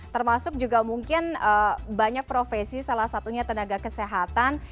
termasuk juga mungkin banyak profesi salah satunya tenaga kesehatan